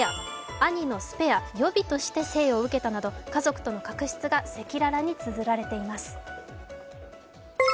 兄のスペア、予備として生を受けたなど家族との確執が赤裸々につづられています。